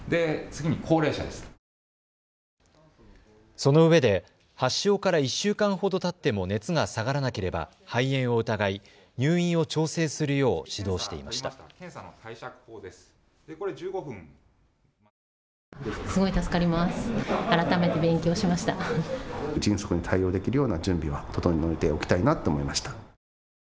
そのうえで発症から１週間ほどたっても熱が下がらなければ肺炎を疑い入院を調整するよう指導していました。